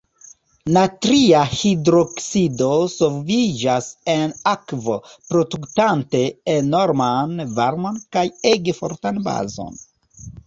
Natria hidroksido solviĝas en akvo, produktante enorman varmon kaj ege fortan bazon.